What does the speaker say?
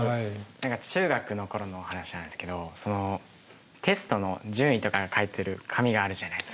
中学の頃の話なんですけどテストの順位とかが書いてある紙があるじゃないですか。